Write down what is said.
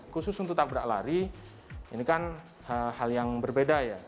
khusus untuk tabrak lari ini kan hal yang berbeda ya